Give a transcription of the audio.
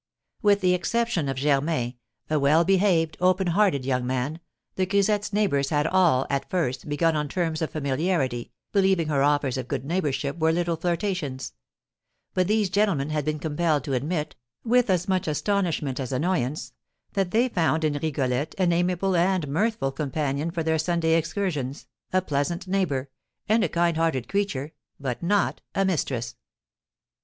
With the exception of Germain, a well behaved, open hearted young man, the grisette's neighbours had all, at first, begun on terms of familiarity, believing her offers of good neighbourship were little flirtations; but these gentlemen had been compelled to admit, with as much astonishment as annoyance, that they found in Rigolette an amiable and mirthful companion for their Sunday excursions, a pleasant neighbour, and a kind hearted creature, but not a mistress.